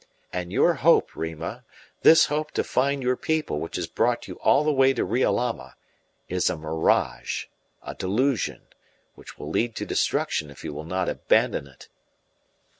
And your hope, Rima this hope to find your people which has brought you all the way to Riolama is a mirage, a delusion, which will lead to destruction if you will not abandon it."